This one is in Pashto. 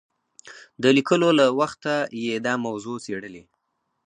د لیکلو له وخته یې دا موضوع څېړلې.